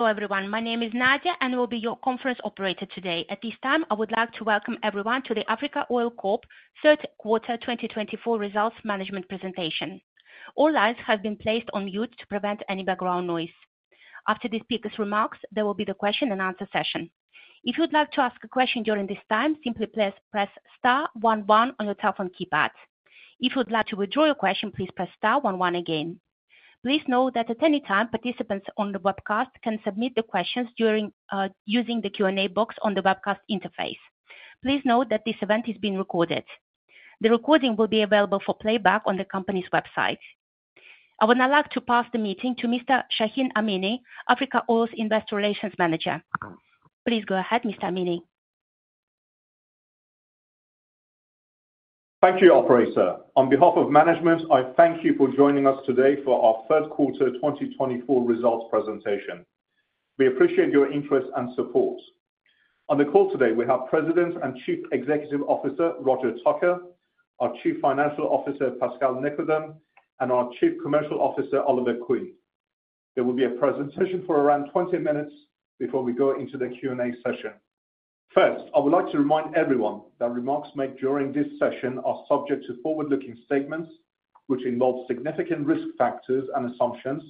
Hello everyone, my name is Nadia and will be your conference operator today. At this time I would like to welcome everyone to the Africa Oil Corp. Third quarter 2024 results management presentation. All lines have been placed on mute to prevent any background noise. After these speaker's remarks, there will be the question and answer session. If you would like to ask a question during this time, simply press Star 11 on your telephone keypad. If you would like to withdraw your question, please press star 11 again. Please note that at any time participants on the webcast can submit the questions using the Q&A box on the webcast interface. Please note that this event is being recorded. The recording will be available for playback on the company's website. I would now like to pass the meeting to Mr. Shahin Amini, Africa Oil's Investor Relations Manager. Please go ahead, Mr. Amini. Thank you, operator. On behalf of management, I thank you for joining us today for our third quarter 2024 results presentation. We appreciate your interest and support. On the call today we have President and Chief Executive Officer Roger Tucker, our Chief Financial Officer Pascal Nicodeme, and our Chief Commercial Officer Oliver Quinn. There will be a presentation for around 20 minutes before we go into the. Q&A session. First, I would like to remind everyone that remarks made during this session are subject to forward-looking statements which involve significant risk factors and assumptions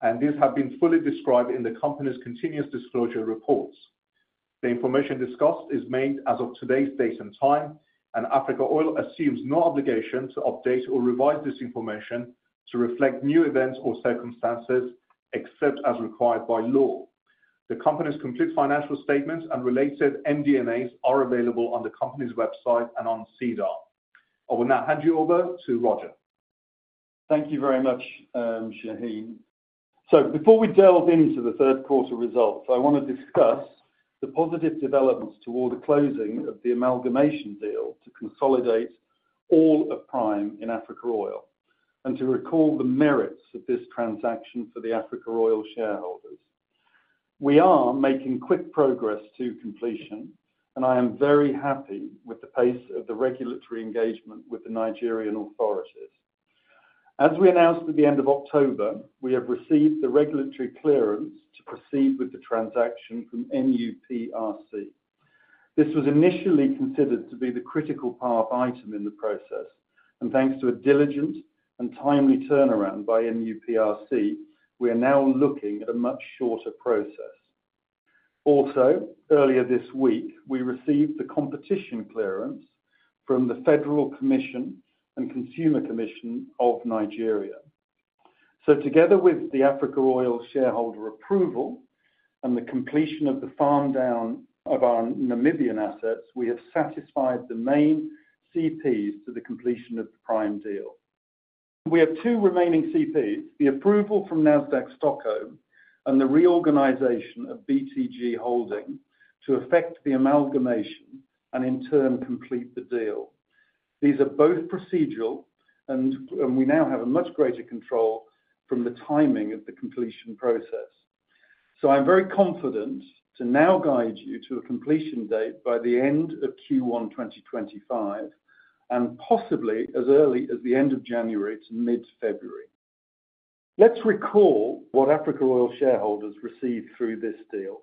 and these have been fully described in the Company's continuous disclosure reports. The information discussed is made as of today's date and time and Africa Oil assumes no obligation to update or revise this information to reflect new events or circumstances, except as required by law. The Company's complete financial statements and related MD&A are available on the Company's website and on SEDAR. I will now hand you over to Roger. Thank you very much, Shaheen. So before we delve into the third quarter results, I want to discuss the positive developments toward the closing of the amalgamation deal to consolidate all of Prime in Africa Oil and to recall the merits of this transaction for the Africa Oil shareholders. We are making quick progress to completion and I am very happy with the pace of the regulatory engagement with the Nigerian authorities. As we announced at the end of October, we have received the regulatory clearance to proceed with the transaction from NUPRC. This was initially considered to be the critical path item in the process and thanks to a diligent and timely turnaround by NUPRC, we are now looking at a much shorter process. Also, earlier this week we received the competition clearance from the Federal Competition and Consumer Protection Commission of Nigeria. Together with the Africa Oil shareholders' approval and the completion of the farm down of our Namibian assets, we have satisfied the main CPs to the completion of the Prime deal. We have two remaining CPs, the approval from Nasdaq Stockholm and the reorganization of BTG Holding to effect the amalgamation and in turn complete the deal. These are both procedural and we now have a much greater control over the timing of the completion process. I'm very confident to now guide you to a completion date by the end of Q1 2025, possibly as early as the end of January to mid-February. Let's recall what Africa Oil shareholders received through this deal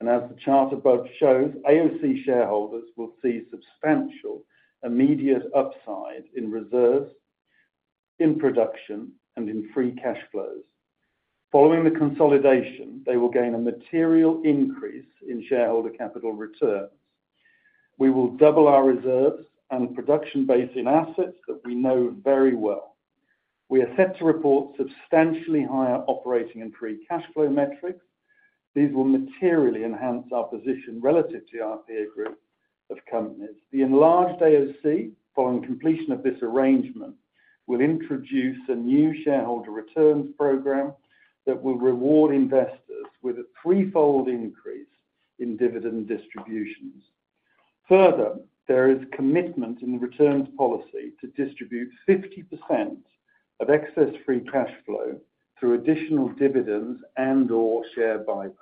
and as the chart above shows, AOC shareholders will see substantial immediate upside in reserves, in production and in free cash flows. Following the consolidation, they will gain a material increase in shareholder capital returns. We will double our reserves and production base in assets that we know very well. We are set to report substantially higher operating and free cash flow metrics. These will materially enhance our position relative to our peer group of companies. The Enlarged AOC, following completion of this arrangement, will introduce a new shareholder returns program that will reward investors with a threefold increase in dividend distributions. Further, there is commitment in the returns policy to distribute 50% of excess free cash flow through additional dividends and or share buybacks.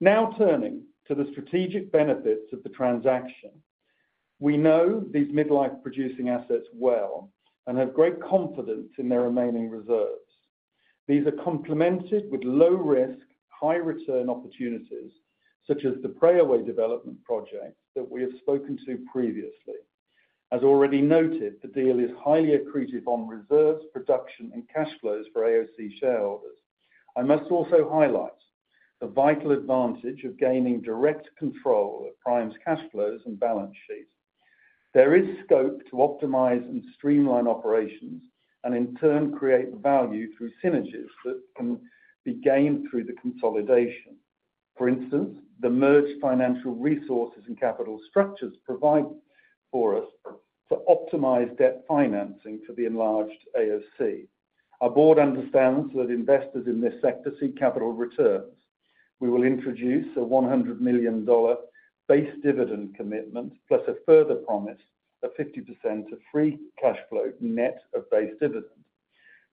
Now, turning to the strategic benefits of the transaction, we know these midlife producing assets well and have great confidence in their remaining reserves. These are complemented with low risk high return opportunities such as the Preowei Development project that we have spoken to previously. As already noted, the deal is highly accretive on reserves, production and cash flows for AOC shareholders. I must also highlight the vital advantage of gaining direct control of Prime's cash flows and balance sheet. There is scope to optimize and streamline operations and in turn create value through synergies that can be gained through the consolidation. For instance, the merged financial resources and capital structures provide for us to optimize debt financing for the enlarged AOC. Our board understands that investors in this sector seek capital returns. We will introduce a $100 million base dividend commitment plus a further promise 50% of free cash flow net of base dividend.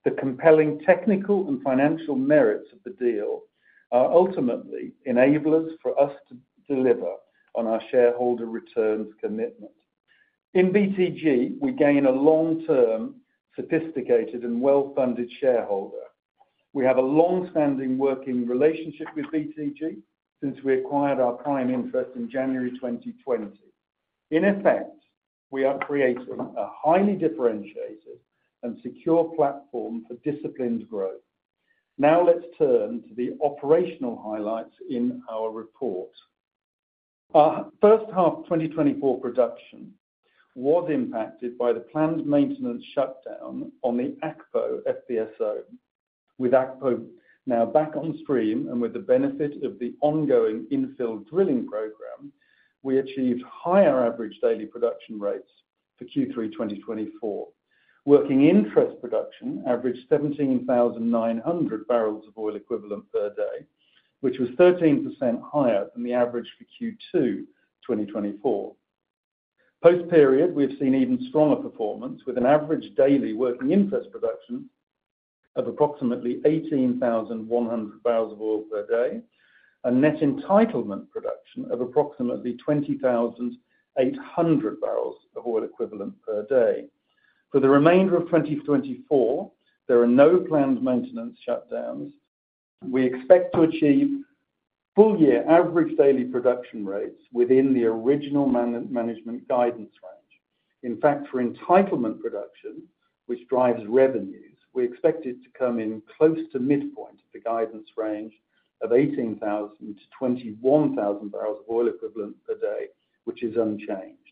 The compelling technical and financial merits of the deal are ultimately enablers for us to deliver on our shareholder returns commitment. In BTG we gain a long-term sophisticated and well-funded shareholder. We have a long standing working relationship with BTG since we acquired our prime interest in January 2020. In effect, we are creating a highly differentiated and secure platform for disciplined growth. Now let's turn to the Operational Highlights in our report. Our first half 2024 production was impacted by the planned maintenance shutdown on the Akpo FPSO. With Akpo now back on stream and with the benefit of the ongoing infill drilling program, we achieved higher average daily production rates for Q3 2024. Working interest production averaged 17,900 barrels of oil equivalent per day, which was 13% higher than the average for Q2 2024. Post period we have seen even stronger performance with an average daily working interest production of approximately 18,100 barrels of oil per day and net entitlement production of approximately 20,800 barrels of oil equivalent per day. For the remainder of 2024. There are no planned maintenance shutdowns. We expect to achieve full year average daily production rates within the original management guidance range. In fact, for entitlement production which drives revenues, we expect it to come in close to midpoint of the guidance range of 18,000-21,000 barrels of oil equivalent per day, which is unchanged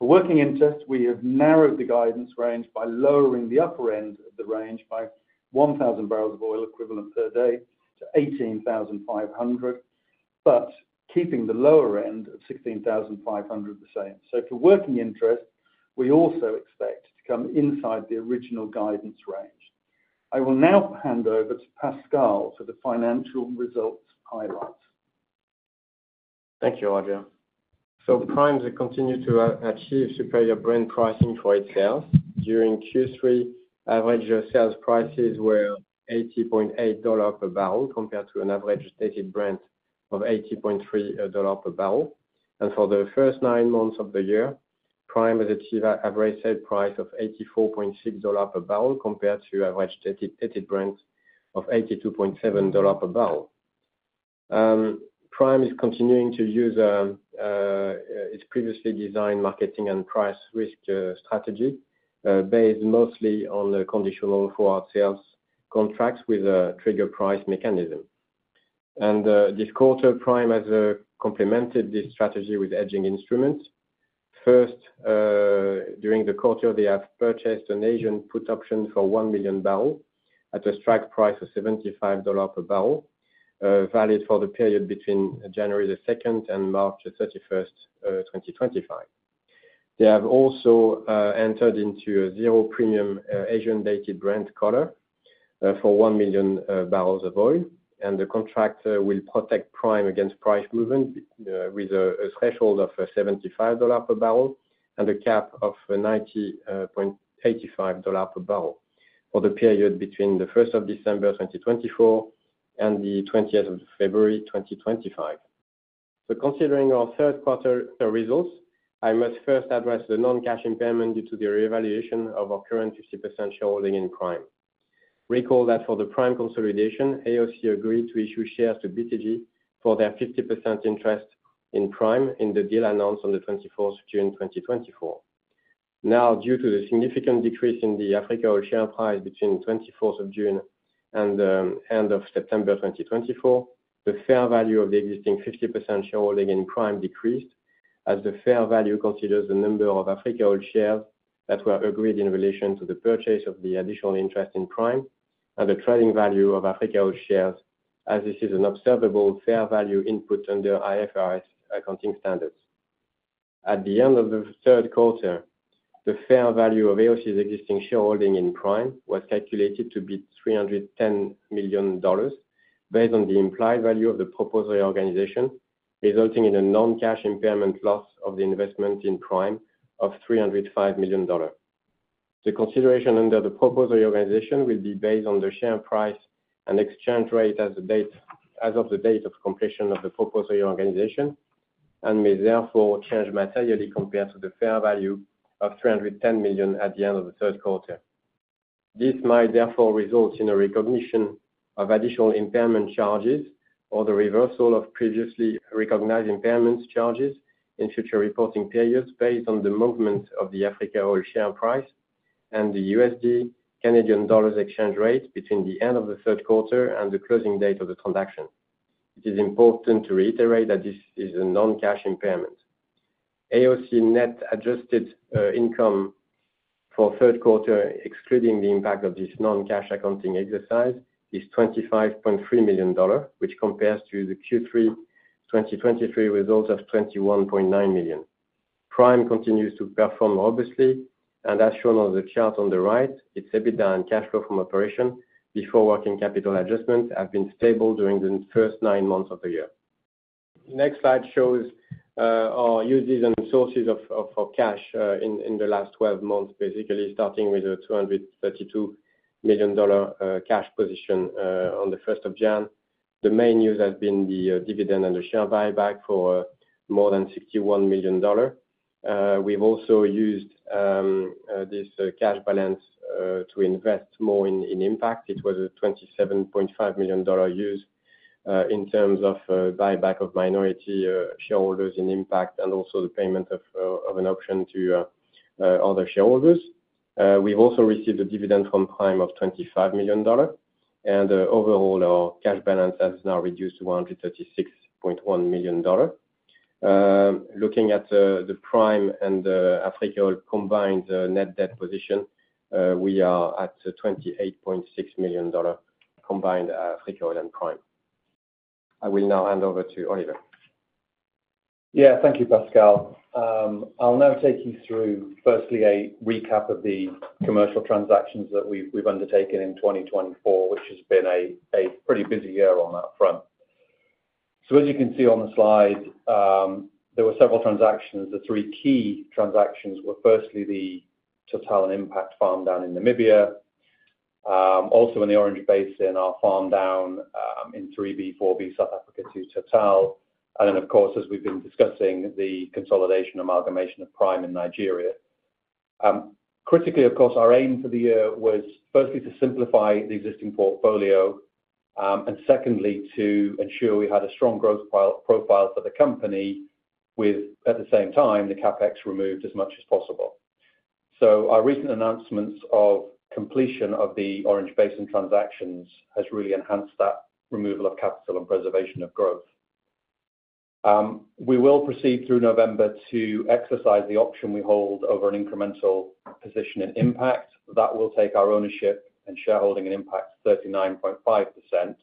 for working interest. We have narrowed the guidance range by lowering the upper end of the range by 1,000 barrels of oil equivalent per day to 18,500, but keeping the lower end of 16,500 the same. So for working interest we also expect to come inside the original guidance range. I will now hand over to Pascal for the financial results. Thank you, Roger. So Prime continues to achieve superior Brent pricing for its sales. During Q3, average sales prices were $80.8 per barrel compared to an average dated Brent of $80.3 per barrel. For the first nine months of the year, Prime has achieved an average sale price of $84.60 per barrel compared to average dated Brent of $82.70 per barrel. Prime is continuing to use its previously designed marketing and price risk strategy based mostly on the conditional forward sales contracts with a trigger price mechanism, and this quarter Prime has complemented this strategy with hedging instruments. First, during the quarter they have purchased an Asian put option for 1 million barrels at a strike price of $75 per barrel valid for the period between January 2 and March 31, 2025. They have also entered into a zero premium Asian dated Brent collar for 1 million barrels of oil and the contract will protect Prime against price movement with a threshold of $75 per barrel and a cap of $90.85 per barrel for the period between 1 December 2024 and 20 February 2025. So considering our third quarter results, I must first address the non-cash impairment due to the revaluation of our current 50% shareholding in Prime. Recall that for the Prime consolidation AOC. Agreed to issue shares to BTG for. Their 50% interest in Prime in the deal announced on 24 June 2024. Now, due to the significant decrease in the Africa Oil share price between 24th of June and end of September 2024, the fair value of the existing 50% shareholding in Prime decreased as the fair value considers the number of Africa Oil shares that were agreed in relation to the purchase of the additional interest in Prime and the trading value of Africa Oil shares as this is an observable fair value input under IFRS accounting standards. At the end of the third quarter, the fair value of AOC's existing shareholding in Prime was calculated to be $310 million based on the implied value of the proposed reorganization, resulting in a non-cash impairment loss of the investment in Prime of $305 million. The consideration under the proposed reorganization will be based on the share price and exchange rate as of the date of completion of the reorganization and may therefore change materially compared to the fair value of $310 million at the end of the third quarter. This might therefore result in a recognition of additional impairment charges or the reversal of previously recognized impairment charges in future reporting periods based on the movement of the Africa Oil share price and the USD Canadian dollar exchange rate between the end of the third quarter and the closing date of the transaction. It is important to reiterate that this is a non-cash impairment. AOC net adjusted income for third quarter excluding the impact of this non-cash accounting exercise is $25.3 million, which compares to the Q3 2023 result of $21.9 million. Prime continues to perform robustly and as shown on the chart on the right, its EBITDA and cash flow from operation before working capital adjustments have been stable during the first nine months of the year. Next slide shows our uses and sources of cash in the last 12 months. Basically starting with a $232 million cash position on the 1st of January. The main news has been the dividend and the share buyback for more than $61 million. We've also used this cash balance to invest more in Impact. It was a $27.5 million use in terms of buyback of minority shareholders in Impact and also the payment of an option to other shareholders. We've also received a dividend from Prime of $25 million and overall our cash balance has now reduced to $136.1 million. Looking at the Prime and Africa combined net debt position, we are at $28.6 million combined. Africa Oil and Prime, I will now hand over to Oliver. Yeah, thank you Pascal. I'll now take you through firstly a. Recap of the commercial transactions that we've undertaken in 2024, which has been a. Pretty busy year on that front. So as you can see on the slide, there were several transactions. The three key transactions were firstly the. Total and Impact farm down in Namibia, also in the Orange Basin, our farm down in 3B/4B South Africa to Total, and then of course as we've been discussing the consolidation amalgamation of Prime in Nigeria. Critically, of course, our aim for the year was firstly to simplify the existing. Portfolio and secondly to ensure we had a strong growth profile for the company with, at the same time, the CapEx. Removed as much as possible. So our recent announcements of completion of the Orange Basin transactions has really enhanced that removal of capital and preservation of growth. We will proceed through November to exercise the option we hold over an incremental position in Impact that will take our ownership and shareholding in Impact 39.5%.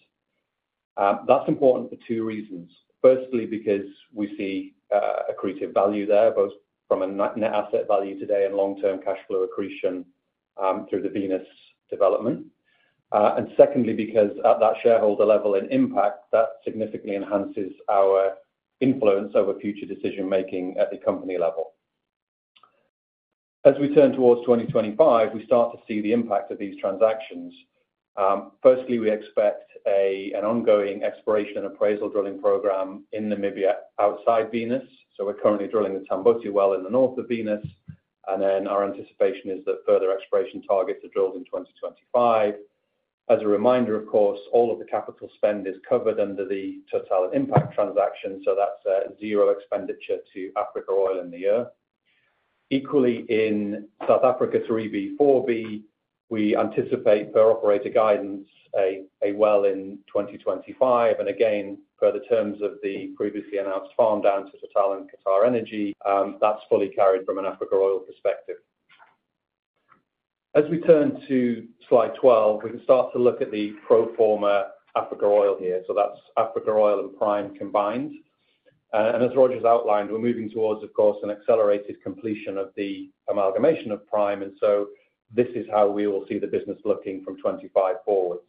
That's important for two reasons. Firstly, because we see accretive value there both from a net asset value today and long term cash flow accretion through the Venus development. And secondly, because at that shareholder level in Impact, that significantly enhances our influence over future decision making at the company level. As we turn towards 2025, we start. To see the impact of these transactions. Firstly, we expect an ongoing exploration and appraisal drilling program in Namibia outside Venus. So we're currently drilling the Tamboti well. In the north of Venus. And then our anticipation is that further. Exploration targets are drilled in 2025. As a reminder, of course, all of. The capital spend is covered under the Total/Impact transaction. So that's zero expenditure to Africa Oil in the year. Equally in South Africa, 3B/4B we anticipate per operator guidance a well in 2025 and again per the terms of the previously announced farm down to TotalEnergies and QatarEnergy. That's fully carried from an Africa Oil perspective. As we turn to slide 12, we. Can start to look at the pro forma Africa Oil here. So that's Africa Oil and Prime combined. And as Roger's outlined, we're moving towards, of course, an accelerated completion of the amalgamation of Prime. This is how we will. See the business looking from 2025 forwards.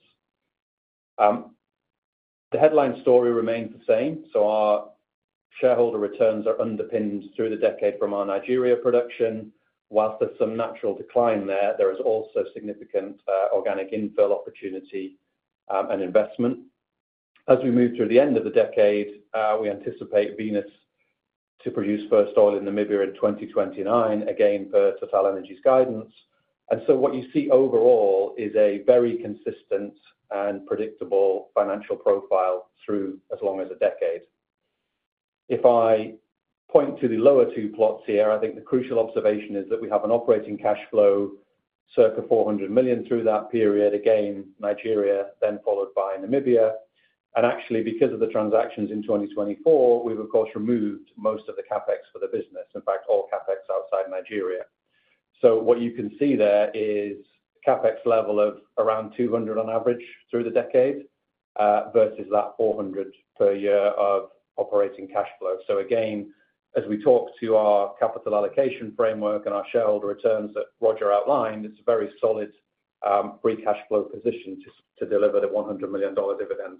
The headline story remains the same so our shareholder returns are underpinned through the decade from our Nigeria production. While there's some natural decline there, there is also significant organic infill opportunity and investment as we move through the end of the decade. We anticipate Venus to produce first oil in Namibia in 2029 again per TotalEnergies' guidance. And so what you see overall is a very consistent and predictable financial profile through as long as a decade. If I point to the lower two plots here, I think the crucial observation is that we have an operating cash flow circa $400 million through that period again Nigeria then followed by Namibia. Actually because of the transactions in 2024 we've of course removed most of the CapEx for the business in fact all CapEx outside Nigeria. So what you can see there is CapEx level of around 200 on average through the decade versus that 400 per year of operating cash flow, so again as we talk to our capital allocation framework and our shareholder returns that Roger outlined, it's a very solid free cash flow position to deliver the $100 million dividend.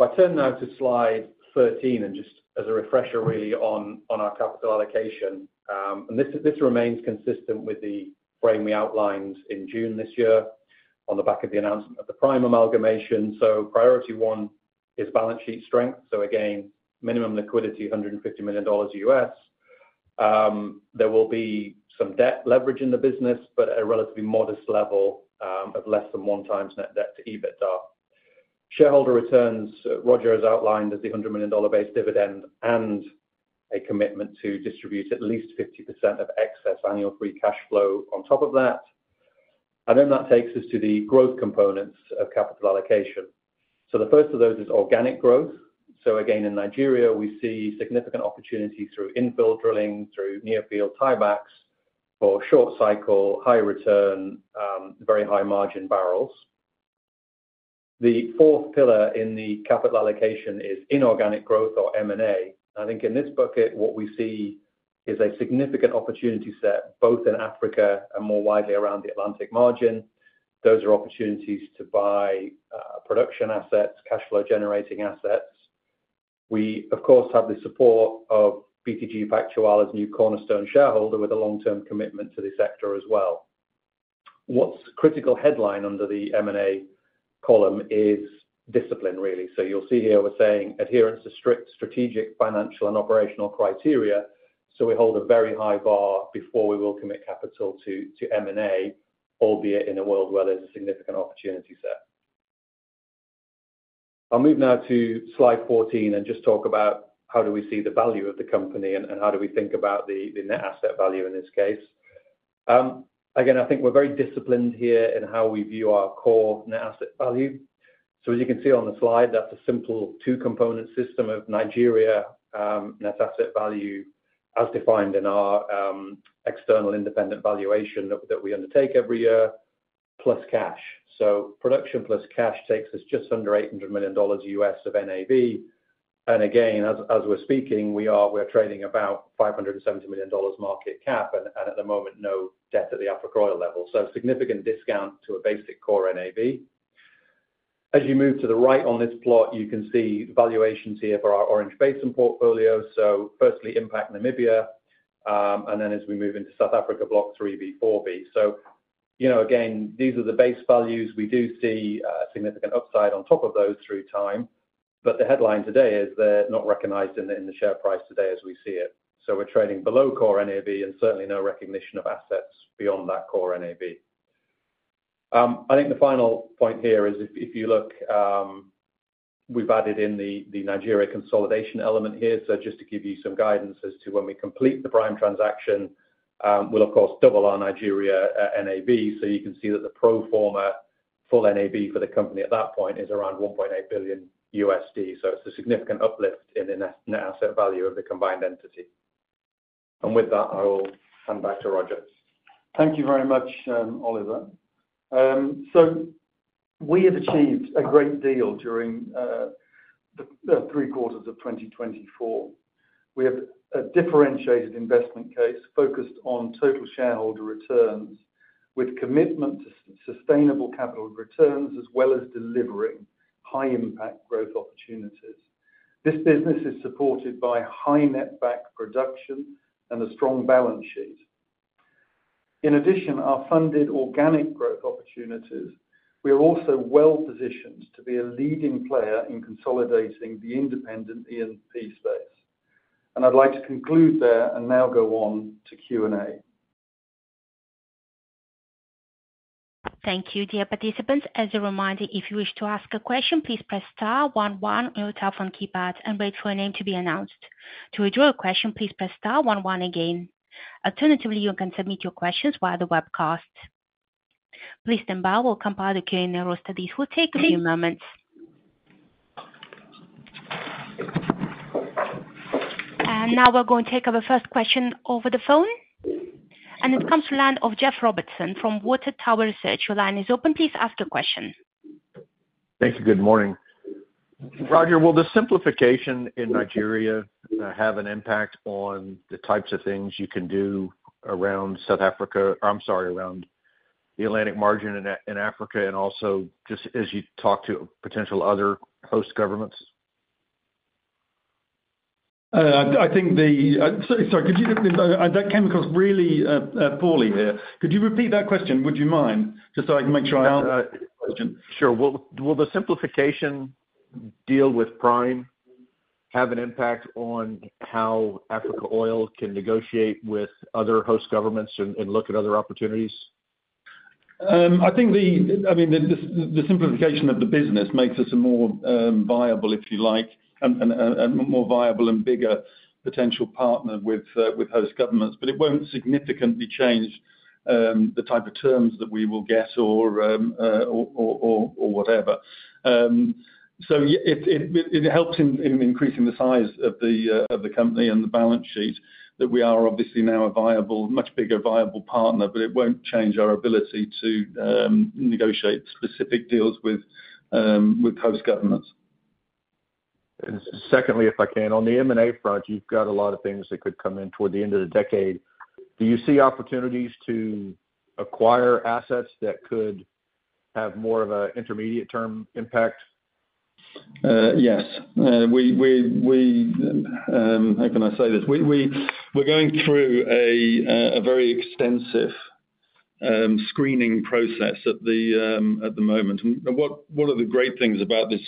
If I turn now to Slide 13, and just as a refresher really on our capital allocation and this remains consistent with the frame we outlined in June this year on the back of the announcement of the Prime amalgamation, so priority one is balance sheet strength, so again minimum liquidity $150 million. Usually there will be some debt leverage. In the business but at a relatively. Modest level of less than one times net debt to EBITDA. Shareholder returns Roger has outlined as the $100 million base dividend and a commitment to distribute at. least 50% of excess annual free cash flow on top of that and then that takes us to the growth components of capital allocation. So the first of those is organic growth. So again in Nigeria we see significant opportunity through infill drilling through near field tiebacks for short cycle high return, very high margin barrels. The fourth pillar in the capital allocation is inorganic growth or M&A. I think in this bucket what we see is a significant opportunity set both in Africa and more widely around the Atlantic Margin. Those are opportunities to buy production assets, cash flow generating assets. We of course have the support of BTG Pactual's new cornerstone shareholder with a long term commitment to the sector as well. What's critical headline M&A column is discipline really. So you'll see here we're saying adherence to strict strategic financial and operational criteria. So we hold a very high bar before we will commit M&A, albeit in a world where there's a significant opportunity set. I'll move now to slide 14 and. Just talk about how do we see the value of the company and how do we think about the net asset. Value in this case? Again, I think we're very disciplined here in how we view our core Net Asset Value. So as you can see on the slide, that's a simple two component system of Nigeria Net Asset Value as defined in our external independent valuation that we. Undertake every year plus cash. So, production plus cash takes us just under $800 million USD of NAV. And again, as we're speaking, we're trading about $570 million market cap and at the moment no debt at the Africa level. So, significant discount to a basic core NAV. As you move to the right on. This plot, you can see valuations here for our Orange Basin portfolio. So firstly, Impact Namibia, and then as we move into South Africa, Block 3B/4B. So you know, again these are the base values. We do see significant upside on top. Of those through time. But the headline today is they're not recognized in the share price today as we see it. So we're trading below core NAV and certainly no recognition of assets beyond that core NAV. I think the final point here is if you look, we've added in the Nigeria consolidation element here. So just to give you some guidance as to when we complete the prime transaction will of course double our Nigeria NAV. So you can see that the pro. forma full NAV for the company at that point is around $1.8 billion. So it's a significant uplift in the net asset value of the combined entity. And with that, I will hand back to Roger. Thank you very much, Oliver. So we have achieved a great deal during the 3/4 of 2024. We have a differentiated investment case focused on total shareholder returns with commitment to sustainable capital returns as well as delivering high impact growth opportunities. This business is supported by high netback production and a strong balance sheet. In addition, our funded organic growth opportunities. We are also well positioned to be a leading player in consolidating the independent E&P space. And I'd like to conclude there and now go on to Q&A. Thank you. Dear participants, as a reminder, if you wish to ask a question, please press star 11 on your telephone keypad and wait for a name to be announced. To withdraw a question, please press star 11 again. Alternatively, you can submit your questions via the webcast. Please stand by. We'll compile the questions. We'll take a few moments. And now we're going to take our first question over the phone and it comes to the line of Jeff Robertson from Water Tower Research. Your line is open. Please ask a question. Thank you. Good morning, Roger. Will the simplification in Nigeria have an? Impact on the types of things you. Can do around South Africa? I'm sorry, around the Atlantic Margin in Africa and also just as you talk. To potential other host governments, I think. Sorry, could you. That came across really poorly here. Could you repeat that question? Would you mind just so I can make sure I answer? Sure. Will the simplification deal with Prime have an impact on how Africa Oil can. Negotiate with other host governments and look at other opportunities? I think, I mean, the simplification of the business makes us a more viable, if you like, more viable and bigger potential partner with host governments, but it won't significantly change the type of terms that we will get or whatever. So it helps in increasing the size of the company and the balance sheet, that we are obviously now a viable, much bigger viable partner, but it won't change our ability to negotiate specific deals with host governments. Secondly, if I can, on the M&A front, you've got a lot. Of things that could come in toward the end of the decade. Do you see opportunities to acquire assets? That could have more of an intermediate term impact? Yes, we, how can I say this, we're going through a very extensive screening process at the moment. One of the great things about this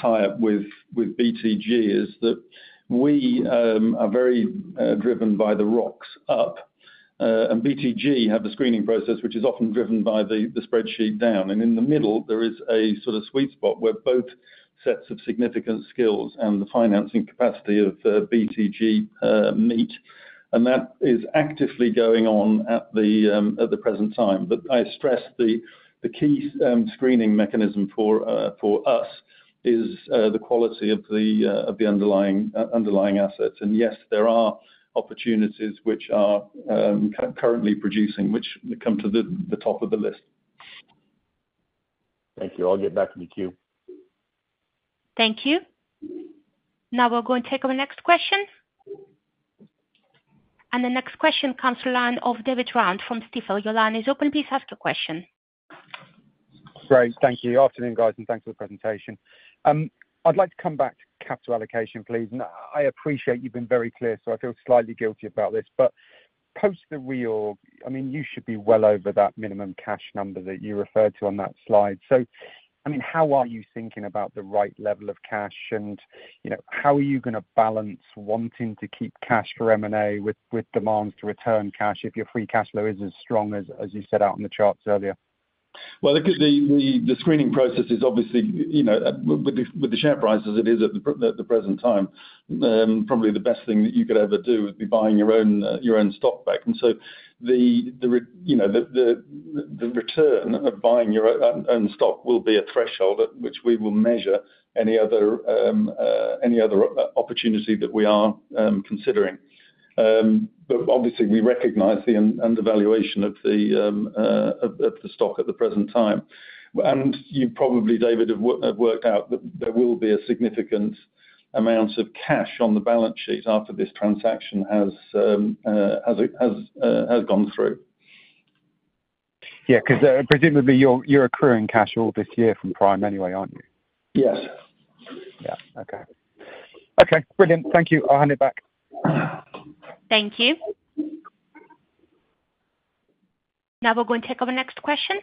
tie up with BTG is that we are very driven by the rocks up and BTG have a screening process which is often driven by the spreadsheet down and in the middle there is a sort of sweet spot where both sets of significant skills and the financing capacity of BTG meet and that is actively going on at the present time. But I stress the key screening mechanism for us is the quality of the underlying assets and yes, there are opportunities which are currently producing which come to the top of the list. Thank you. I'll get back in the queue. Thank you. Now we're going to take our next question and the next question comes from David Round from Stifel. Your line is open. Please ask your question. Great, thank you. Afternoon, guys, and thanks for the presentation. I'd like to come back to capital allocation please. I appreciate you've been very clear so I feel slightly guilty about this but post the reorg, I mean you should be well over that minimum cash number that you referred to on that slide. So I mean how are you thinking about the right level of cash and you know, how are you going to balance wanting to keep cash for M&A with demand to return cash if your. Free cash flow is as strong as. You set out on the charts earlier. The screening process is obviously with the share price as it is at the present time, probably the best thing that you could ever do would be buying your own stock back. And so the return of buying your own stock will be a threshold at which we will measure any other opportunity that we are considering. But obviously we recognize the undervaluation of the stock at the present time. And you probably, David, have worked out that there will be a significant amount of cash on the balance sheet after this transaction has gone through. Yeah. Because presumably you're accruing cash all this year from Prime anyway, aren't you? Yes. Okay. Okay, brilliant. Thank you. I'll hand it back. Thank you. Now we're going to take our next question.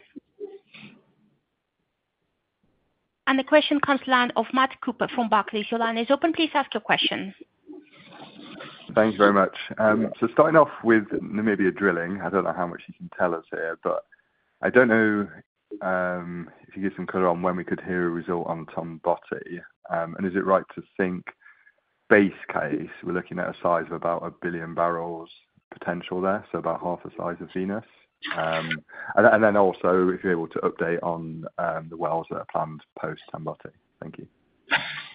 And the question comes from the line of Matt Cooper from Barclays. Your line is open. Please ask your question. Thank you very much. So, starting off with Namibia drilling. I don't know how much you can tell us here, but I don't know if you give some color on when we could hear a result on Tamboti. And is it right to think base case, we're looking at a size of about a billion barrels potential there, so about half the size of Venus? And then also if you're able to update on the wells that are planned post Tamboti? Thank you.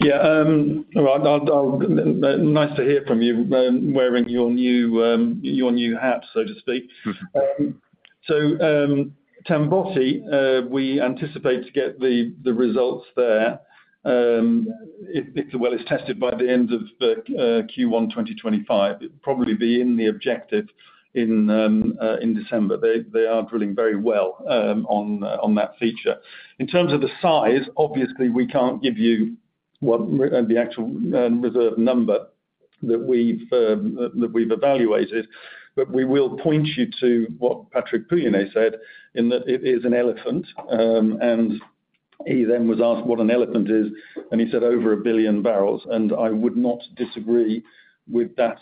Yeah, nice to hear from you, wearing your new hat, so to speak. So Tamboti, we anticipate to get the results there. If the well is tested by the end of Q1, 2025, it will probably be in the objective in December. They are drilling very well on that feature. In terms of the size, obviously we can't give you the actual reserve number that we've evaluated, but we will point you to what Patrick Pouyanné said in that it is an elephant, and he then was asked what an elephant is and he said over a billion barrels, and I would not disagree with that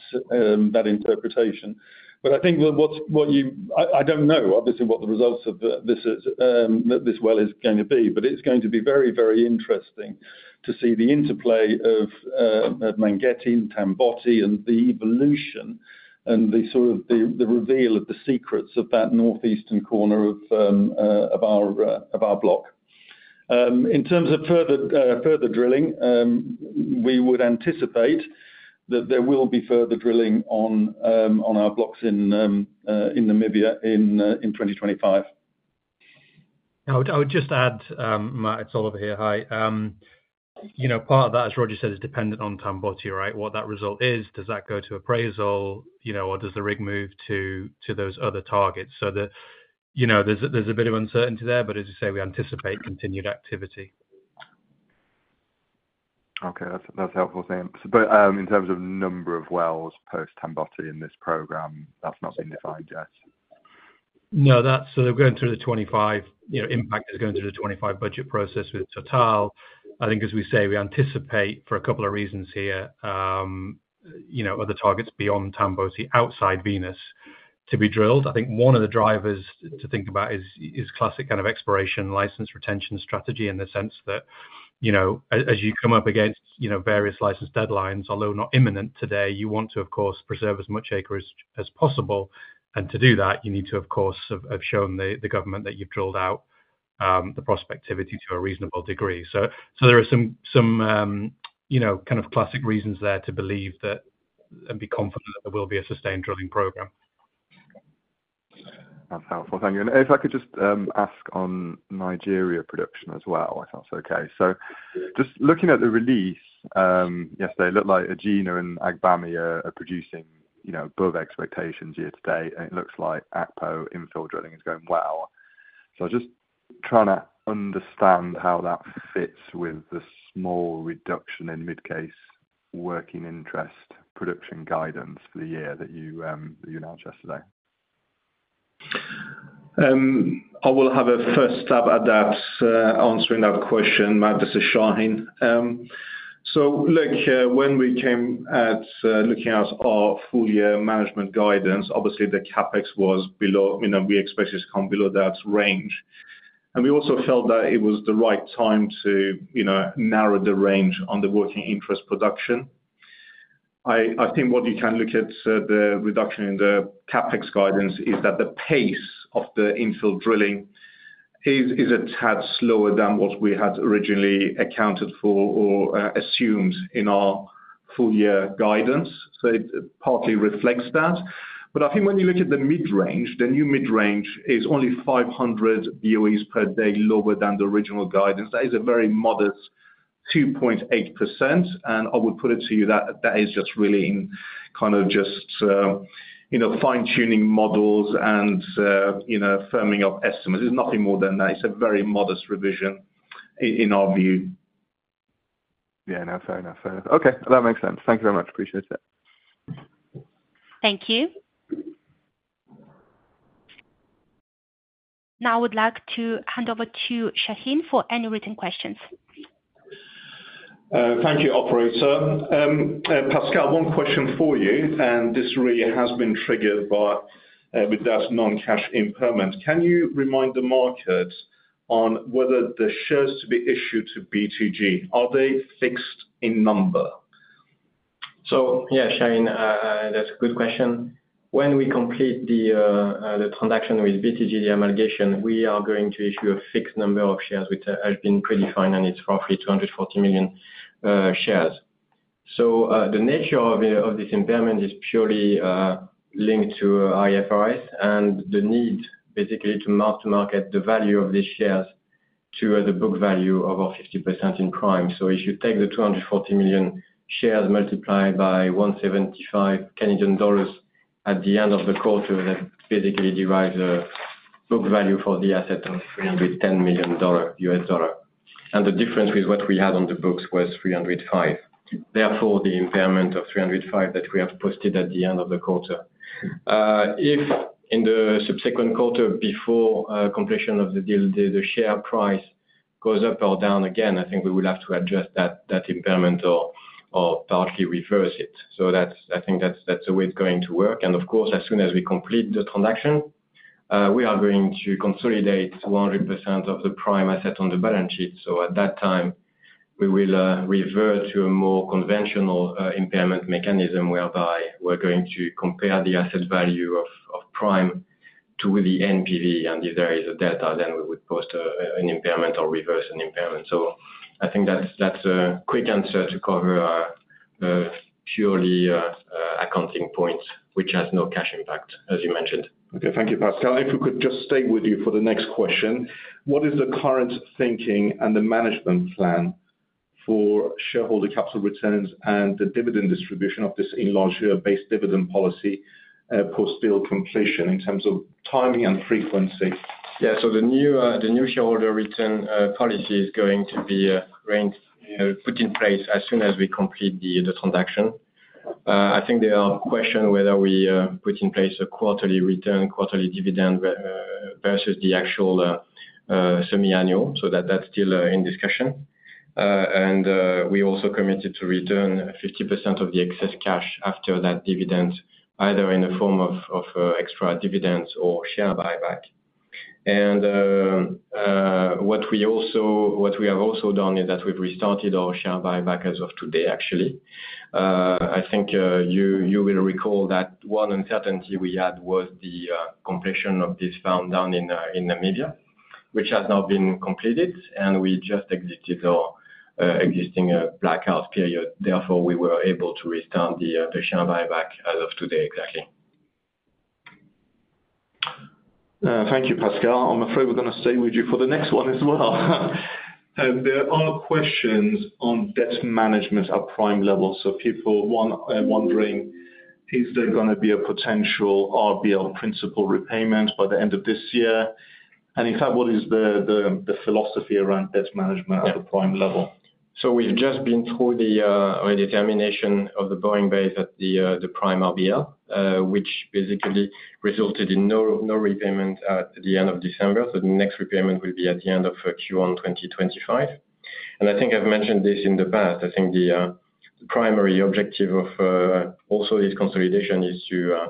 interpretation, but I think, I don't know obviously what the results of this well is going to be, but it's going to be very, very interesting to see the interplay of Mangetti and Tamboti and the evolution and the sort of the reveal of the secrets of that northeastern corner of our block. In terms of further drilling, we would anticipate that there will be further drilling on our blocks in Namibia in 2025. I would just add. Matt, it's all over here. Hi. Part of that, as Roger said, is dependent on Tamboti. Right. What that result is does that go to appraisal or does the rig move to those other targets? So, you know, there's a bit of uncertainty there, but as you say, we anticipate continued activity. Okay, that's helpful, Sam. But in terms of number of wells post Tamboti in this program, that's not been defined yet. No, that's so they're going through the 25, you know, Impact is going through the 25 budget process with Total. I think as we say, we anticipate for a couple of reasons here, you know, other targets beyond Tamboti outside Venus be drilled. I think one of the drivers to think about is classic kind of exploration license retention strategy in the sense that, you know, as you come up against, you know, various license deadlines, although not imminent today, you want to of course preserve as much acreage as possible, and to do that you need to of course have shown the government that you've drilled out the prospectivity to a reasonable degree, so there are some, you know, kind of classic reasons there to believe that and be confident there will be a sustained drilling program. That's helpful, thank you. If I could just ask on Nigeria production as well, if that's okay. So just looking at the release yesterday. Looked like Egina and Agbami are producing. You know, above expectations year to date and it looks like Akpo infill drilling is going well. So just trying to understand how that fits with the small reduction in mid case working interest production guidance for the year that you announced yesterday. I'll have a first shot at answering that question. Matt, this is Shahin. So look, when we came to looking at our full-year management guidance, obviously the CapEx was below. We expect it to come below that range and we also felt that it was the right time to narrow the range on the working interest production. I think what you can look at the reduction in the CapEx guidance is that the pace of the infill drilling is a tad slower than what we had originally accounted for or assumed in. Our full year guidance. So it partly reflects that. But I think when you look at the mid range, the new mid range is only 500 boes per day lower. Than the original guidance. That is a very modest 2.8%, and I would put it to you that that is just really in kind of just, you know, fine tuning models and you know, firming up estimates. There's nothing more than that. It's a very modest revision in our view. Yeah, no, fair enough. Okay, that makes sense. Thank you very much. Appreciate it. Thank. You. Now I would like to hand over to Shaheen for any written questions. Thank you, operator. Pascal, one question for you, and this really has been triggered with that non-cash impairment. Can you remind the market on whether the shares to be issued to BTG are they fixed in number? Yeah, Shahin, that's a good question. When we complete the transaction with BTG, the amalgamation we are going to issue a fixed number of shares which has been predefined and it's roughly 240 million shares. So the nature of this impairment is purely linked to IFRS and the need basically to mark to market the value of these shares to the book value of 50% in Prime. So if you take the 240 million shares multiplied by 1.75 Canadian dollars at the end of the quarter, that basically derives a book value for the asset of $310 million USD and the difference with what we had on the books was 305. Therefore the impairment of 305 that we have posted at the end of the quarter, if in the subsequent quarter before completion of the deal the share price goes up or down again, I think we will have to adjust that impairment or partially reverse it. So I think that's the way it's going to work. And of course as soon as we complete the transaction, we are going to consolidate 200% of the prime asset on the balance sheet. So at that time we will revert to a more conventional impairment mechanism whereby we're going to compare the asset value of prime to the NPV and if there is a delta then we would post an impairment or reverse an impairment. So I think that's a quick answer to cover purely accounting points which has no cash impact as you mentioned. Okay, thank you Pascal. If we could just stay with you for the next question. What is the current thinking and the management plan for shareholder capital returns and the dividend distribution of this larger based dividend policy post-deal completion in terms of timing and frequency? Yes. So the new shareholder return policy is going to be put in place as soon as we complete the transaction. I think there are questions whether we put in place a quarterly return, quarterly dividend versus the actual semiannual. So that's still in discussion. And we also committed to return 50% of the excess cash after that dividend either in the form of extra dividends or share buyback. And what we have also done is that we've restarted our share buyback as of today. Actually I think you will recall that one uncertainty we had was the completion of this farm down in Namibia, which has now been completed, and we just exited our existing blackout period. Therefore, we were able to restart the share buyback as of today. Exactly. Thank you, Pascal. I'm afraid we're going to stay with you for the next one as well. There are questions on debt management at Prime level. So people wondering, is there going to be a potential RBL principal repayment by? The end of this year? In fact, what is the philosophy around debt management at the Prime level? So we've just been through the determination of the borrowing base at the Prime RBL, which basically resulted in no repayment at the end of December. So the next repayment will be at the end of Q1 2025. And I think I've mentioned this in the past. I think the primary objective of also this consolidation is to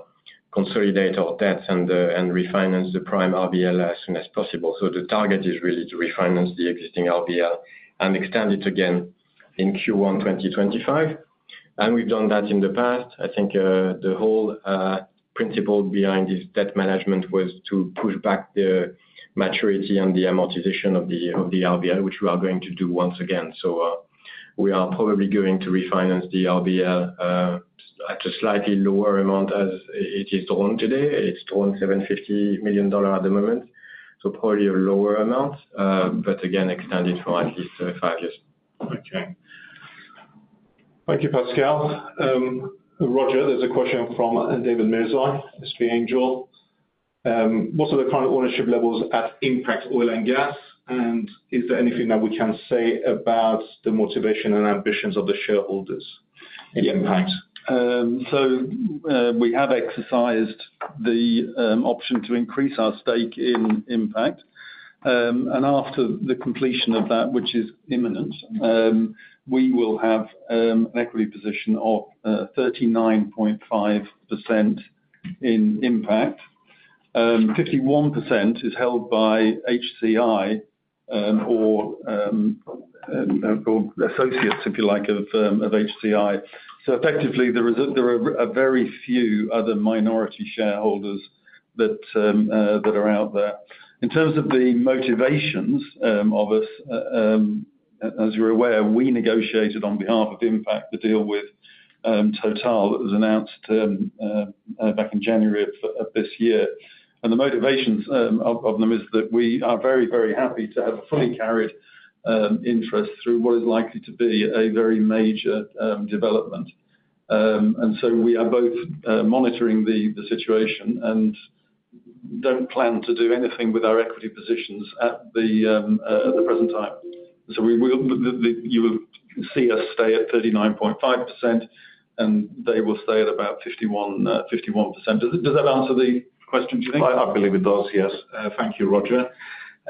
consolidate our debt and refinance the Prime RBL as soon as possible. So the target is really to refinance the existing RBL and extend it again in Q1 2025. And we've done that in the past. I think the whole principle behind this debt management was to push back the maturity and the amortization of the RBL, which we are going to do once again. So we are probably going to refinance the RBL at a slightly lower amount as it is drawn today. It's drawn $750 million at the moment, so probably a lower amount, but again extended for at least five years. Okay, thank you, Pascal. Roger, there's a question from David Mirzai, SP Angel. What are the current ownership levels at Impact Oil and Gas? And is there anything that we can say about the motivation and ambitions of. The shareholders in Impact? So we have exercised the option to increase our stake in Impact, and after the completion of that, which is imminent, we will have an equity position of 39.5% in Impact. 51% is held by HCI or associates, if you like, of HCI. So effectively there are very few other minority shareholders that are out there in terms of the motivations of us. As you're aware, we negotiated on behalf of Impact the deal with Total that was announced back in January of this year. And the motivations of them is that we are very, very happy to have fully carried interest through what is likely to be a very major development. And so we are both monitoring the situation and don't plan to do anything with our equity positions at the present time. So you will see us stay at 39.5% and they will stay at about 51%. Does that answer the question, do you think? I believe it does, yes. Thank you, Roger.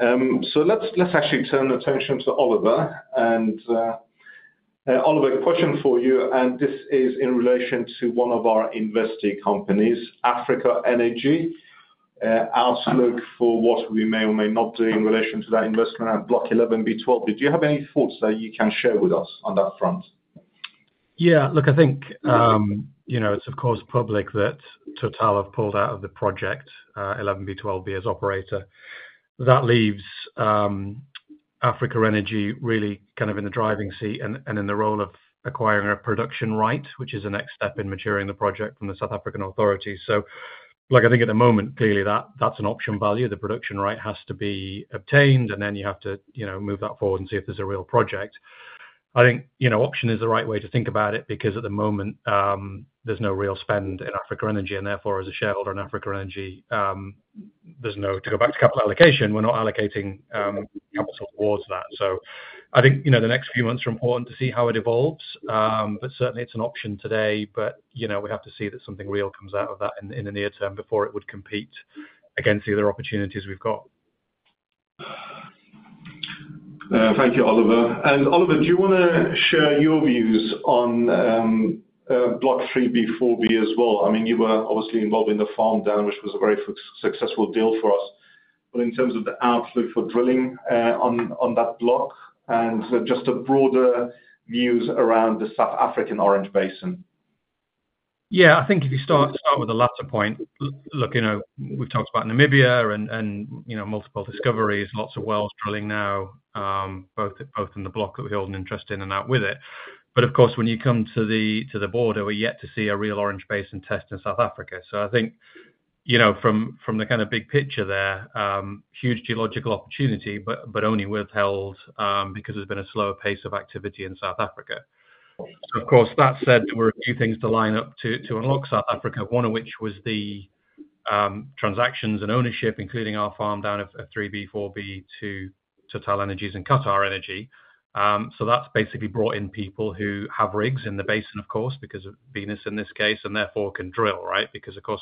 Let's actually turn attention to Oliver. Oliver, question for you. This is in relation to one of our investee companies, Africa Energy Corp., for what we may or may not do in relation to that investment at Block 11B/12B. Did you have any thoughts that you? Can share with us on that front? Yeah, look, I think, you know, it's of course public that Total have pulled out of the project 11B/12B as operator. That leaves Africa Energy really kind of in the driving seat and in the role of acquiring a production right which is the next step in maturing the project from the South African authorities. So like, I think at the moment clearly that that's an option value. The production right has to be obtained and then you have to, you know, move that forward and see if there's a real project. I think, you know, option is the right way to think about it because at the moment there's no real spend in Africa Energy and therefore as a shareholder in Africa Energy, there's no to go back to capital allocation. We're not allocating capital towards that. I think, you know, the next few months are important to see how it evolves. Certainly it's an option today. You know, we have to see that something real comes out of that in the near term before it would compete against the other opportunities we've got. Thank you, Oliver. And Oliver, do you want to share your views on Block 3B/4B as well? I mean, you were obviously involved in the farm down, which was a very successful, successful deal for us. But in terms of the outlook for drilling on that block and just a broader views around the South African Orange Basin. Yeah, I think if you start with the latter point, look, you know, we've talked about Namibia and you know, multiple discoveries, lots of wells drilling now both in the block that we hold an interest in and out with it. But of course when you come to the border, we're yet to see a real Orange Basin test in South Africa. So I think, you know, from the kind of big picture there, huge geological opportunity, but only withheld because there's been a slower pace of activity in South Africa. Of course, that said, there were a few things to line up to unlock South Africa, one of which was the transactions and ownership, including our farm down at 3B/4B to TotalEnergies and QatarEnergy. So that's basically brought in people who have rigs in the basin, of course, because of Venus in this case, and therefore can drill right, because of course.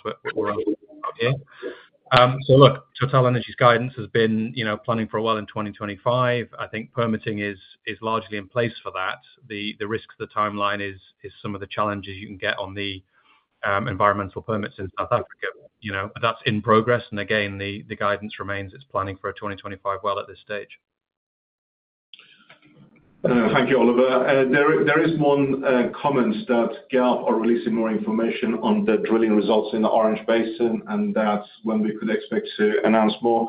So look, TotalEnergies' guidance has been, you know, planning for a while in 2025. I think permitting is largely in place for that. The risks, the timeline is some of the challenges you can get on the environmental permits in South Africa, you know. That's in progress. And again, the guidance remains it's planning for a 2025. Thank you, Oliver. There is one comment that Galp are releasing more information on the drilling results in the Orange Basin and that's when we could expect to announce more.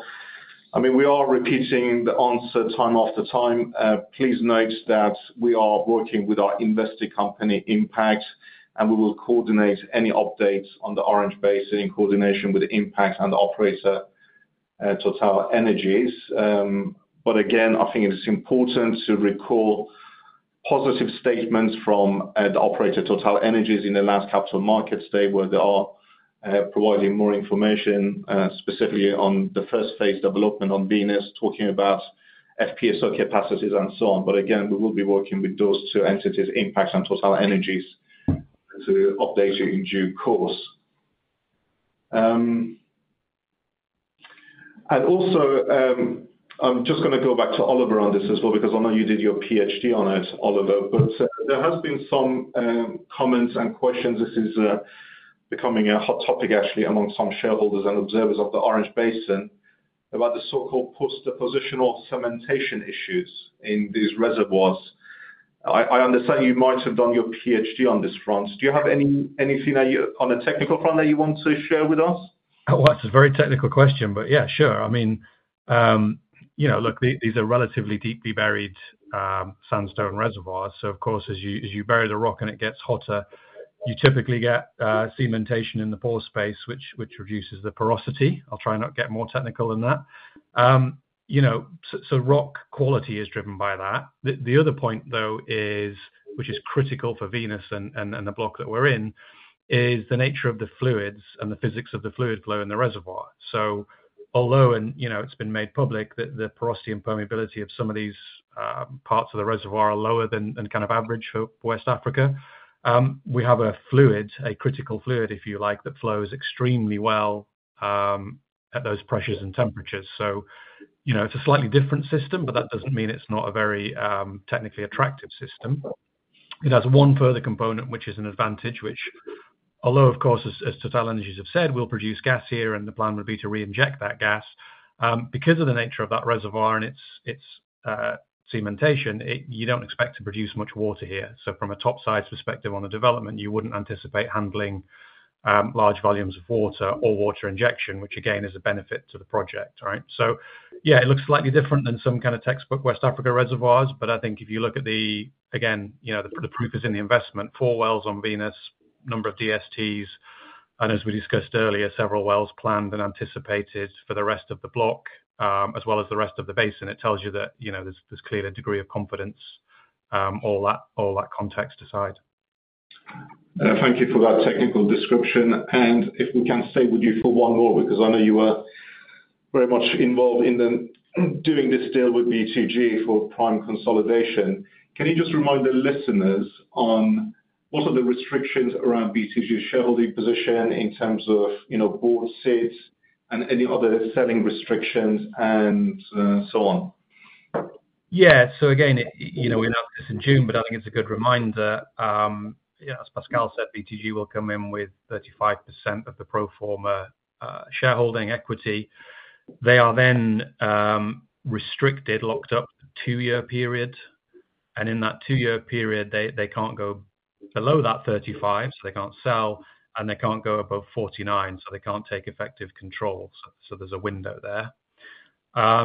I mean we are repeating the answer time after time. Please note that we are working with our investor company Impact and we will coordinate any updates on the Orange Basin in coordination with Impact and operator TotalEnergies. But again I think it's important to recall positive statements from the operator TotalEnergies in the last capital markets day where they are providing more information specifically on the first phase development on Venus, talking about FPSO capacities and so on. But again we will be working with those two entities, Impact and TotalEnergies to update you in due course. And also, I'm just going to go back to Oliver on this as well because I know you did your PhD on it, Oliver, but there has been some comments and questions. This is becoming a hot topic actually among some shareholders and observers of the Orange Basin about the so-called post-depositional cementation issues in these reservoirs. I understand you might have done your PhD on this front. Do you have anything on a technical? Front that you want to share with us? Oh, that's a very technical question. But yeah, sure. I mean, you know, look, these are relatively deeply buried sandstone reservoirs. So of course as you bury the rock and it gets hotter, you typically get cementation in the pore space which reduces the porosity. I'll try not get more technical than that. You know, so rock quality is driven by that. The other point though, which is critical for Venus and the block that we're in, is the nature of the fluids and the physics of the fluid flow in the reservoir. So although you know, it's been made public that the porosity and permeability of some of these parts of the reservoir are lower than kind of average for West Africa. We have a fluid, a critical fluid, if you like, that flows extremely well at those pressures and temperatures. So you know, it's a slightly different system, but that doesn't mean it's not a very technically attractive system. It has one further component which is an advantage which although of course as TotalEnergies have said will produce gas here and the plan would be to re-inject that gas. Because of the nature of that reservoir and its cementation, you don't expect to produce much water here. So from a topside perspective on the development, you wouldn't anticipate handling large volumes of water or water injection, which again is a benefit to the project. So yeah, it looks slightly different than some kind of textbook West Africa reservoirs. But I think if you look at the again, you know, the proof is in the investment. Four wells on Venus, number of DSTs and as we discussed earlier, several wells planned and anticipated for the rest of the block as well as the rest of the basin. It tells you that, you know, there's this clear degree of confidence. All that, all that context aside. Thank you for that technical description and if we can stay with you for one more because I know you were very much involved in the doing this deal with BTG for Prime consolidation. Can you just remind the listeners on what are the restrictions around BTG shareholding position in terms of, you know, board seats and any other selling restrictions and so on? Yeah, so again, you know, we announced this in June, but I think it's a good reminder, as Pascal said, BTG will come in with 35% of the pro forma shareholding equity. They are then restricted, locked up two-year period. And in that two-year period they can't go below that 35%, so they can't sell and they can't go above 49% so they can't take effective control. So there's a window there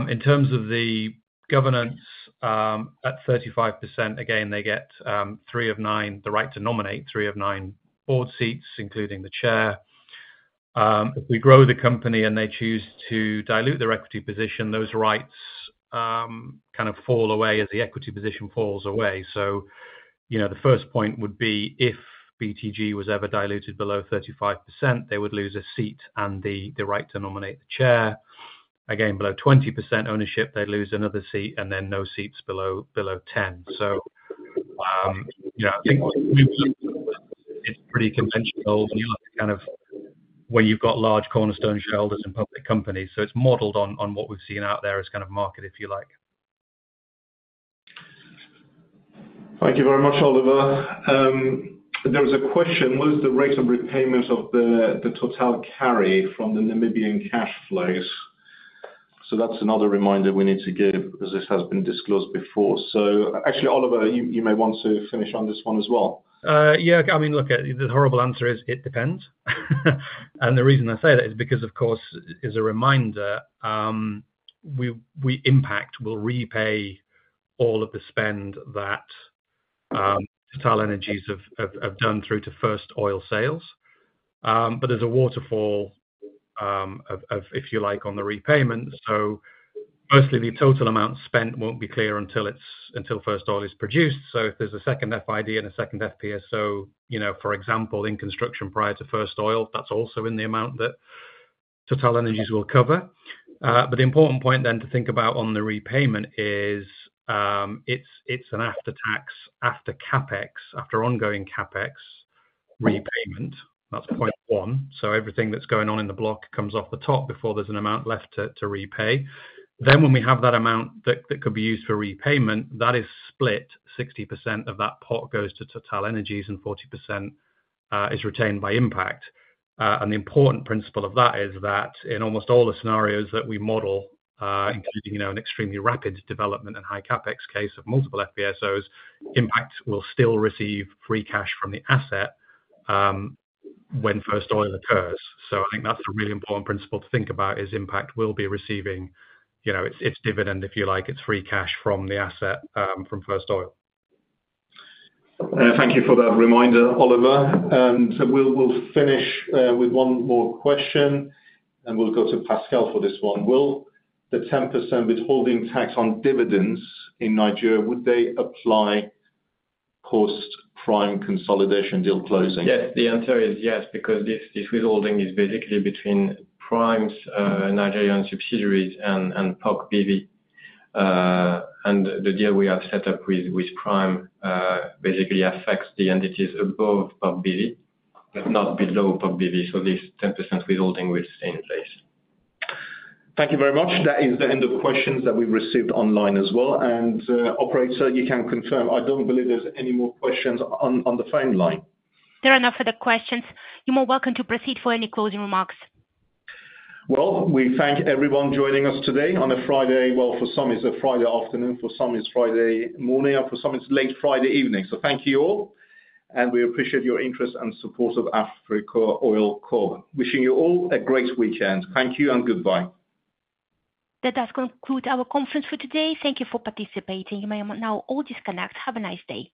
in terms of the governance at 35%. Again they get three of nine, the right to nominate three of nine board seats, including the chair. If we grow the company and they choose to dilute their equity position, those rights kind of fall away as the equity position falls away. So you know, the first point would be if BTG was ever diluted below 35%, they would lose a seat and the right to nominate the chair. Again, below 20% ownership, they'd lose another seat and then no seats below 10%. So I think it's pretty conventional when you've got large cornerstone shareholders and public companies. So it's modeled on what we've seen out there as kind of market, if you like. Thank you very much. Oliver, there's a question, what is the rate of repayment of the total carry from the Namibian cash flows? So that's another reminder we need to give as this has been disclosed before. So actually Oliver, you may want to finish on this one as well. Yeah, I mean, look, the horrible answer is it depends. And the reason I say that is because, of course, as a reminder, Impact will repay all of the spend that TotalEnergies have done through to First Oil sales. But there's a waterfall, if you like, on the repayment. So mostly the total amount spent won't be clear until First Oil is produced. So if there's a second FID and a second FPSO, you know, for example, in construction prior to First Oil, that's also in the amount that TotalEnergies will cover. But the important point then to think about on the repayment is it's an after tax, after CapEx, after ongoing CapEx repayment. That's point one. So everything that's going on in the block comes off the top before there's an amount left to repay. When we have that amount that could be used for repayment, that is split. 60% of that pot goes to TotalEnergies and 40% is retained by Impact. The important principle of that is that in almost all the scenarios that we model, including an extremely rapid development and high CapEx case of multiple FPSOs, Impact will still receive free cash from the asset when First Oil occurs. I think that's a really important principle to think about: Impact will be receiving its dividend, if you like. It's free cash from the asset, from First Oil. Thank you for that reminder, Oliver. And we'll finish with one more question and we'll go to Pascal for this one. Will the 10% withholding tax on dividends in Nigeria? Would they apply post prime consolidation deal closing? Yes. The answer is yes, because this withholding is basically between Prime's Nigerian subsidiaries and POG BV, and the deal we have set up with Prime basically affects the entities above POG BV, but not below POG BV, so this 10% withholding will stay in place. Thank you very much. That is the end of questions that we received online as well. And operator, you can confirm. I don't believe there's any more questions on the phone line. There are no further questions. You're more than welcome to proceed for any closing remarks. Well, we thank everyone joining us today on a Friday. Well, for some it's a Friday afternoon. For some it's Friday morning and for some it's late Friday evening. Thank you all, and we appreciate. Your interest and support of Africa Oil Corp. Wishing you all a great weekend. Thank you and goodbye. That does conclude our conference for today. Thank you for participating. You may now all disconnect. Have a nice day.